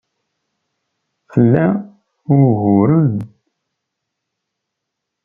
Tla uguren?